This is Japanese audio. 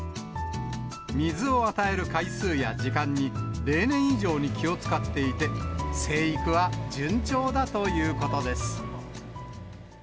水を与える回数や時間に例年以上に気を遣っていて、生育は順調だということです。